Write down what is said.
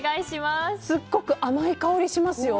すごく甘い香りがしますよ。